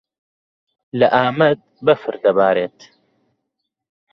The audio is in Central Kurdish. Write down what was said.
لە ئامەد بەفر دەبارێت.